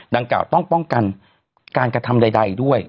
ณวันนี้